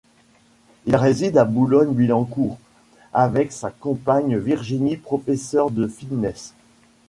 Il réside à Boulogne-Billancourt avec sa compagne Virginie professeur de fitness.